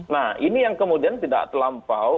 nah ini yang kemudian tidak terlampau